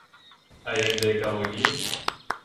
А як для экалогіі?